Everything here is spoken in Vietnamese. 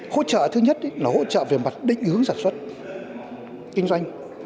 hỗ trợ thứ nhất là hỗ trợ về mặt đích ứng sản xuất kinh doanh